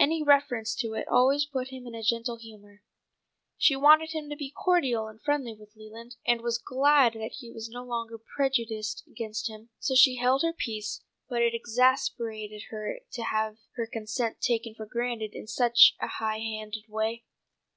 Any reference to it always put him in a gentle humour. She wanted him to be cordial and friendly with Leland, and was glad that he was no longer prejudiced against him, so she held her peace; but it exasperated her to have her consent taken for granted in such a high handed way.